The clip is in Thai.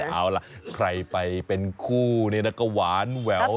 เอาล่ะใครไปเป็นคู่เนี่ยนะก็หวานแหวว